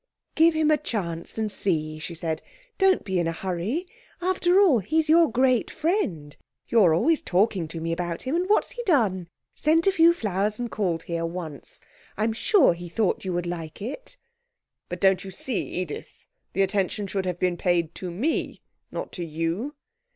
'Give him a chance and see,' she said. 'Don't be in a hurry. After all, he's your great friend. You're always talking to me about him; and what's he done? sent a few flowers and called here once. I'm sure he thought you would like it.' 'But don't you see, Edith, the attention should have been paid to me, not to you.'